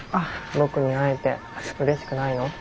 僕に会えてうれしくないの？